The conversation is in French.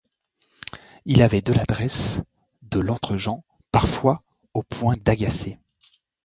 Il avait de l'adresse, de l'entregent, parfois au point d'agacer.